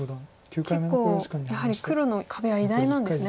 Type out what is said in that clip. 結構やはり黒の壁は偉大なんですね。